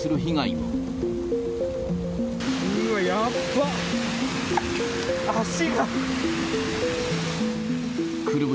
うわ、やっば！